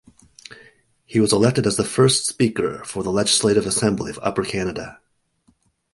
He was elected as the first speaker for the Legislative Assembly of Upper Canada.